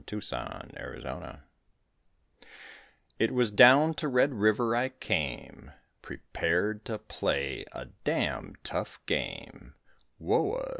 THE SKEW BALL BLACK It was down to Red River I came, Prepared to play a damned tough game, Whoa!